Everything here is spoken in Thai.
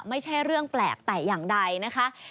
ไม่ใช่เรื่องแปลกแต่อย่างใดนะคะ